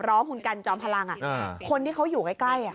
ร้องหุ่นกันจอมพลังอ่ะอ่าคนที่เขาอยู่ใกล้ใกล้อ่ะ